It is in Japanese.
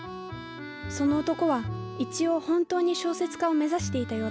その男は一応本当に小説家を目指していたようだ。